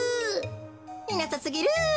いなさすぎる。